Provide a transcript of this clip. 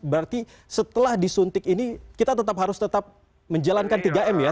berarti setelah disuntik ini kita tetap harus tetap menjalankan tiga m ya